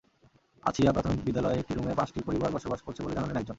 আছিয়া প্রাথমিক বিদ্যালয়ের একটি রুমে পাঁচটি পরিবার বসবাস করছে বলে জানালেন একজন।